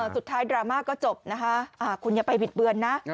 ดราม่าก็จบนะคะคุณอย่าไปบิดเบือนนะ